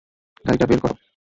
গাড়িটা বের কর।